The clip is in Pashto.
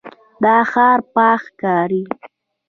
دا ښار پاک ښکاري.